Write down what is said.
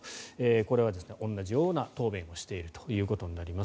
これは同じような答弁をしていることになります。